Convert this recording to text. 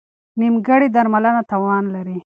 نیمګړې درملنه تاوان لري.